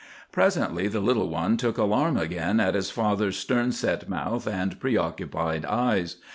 Presently the little one took alarm again at his father's stern set mouth and preoccupied eyes.